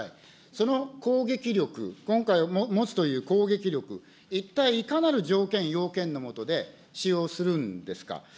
その攻撃力、今回、持つという攻撃力、一体いかなる条件、要件の下で使用するんですか。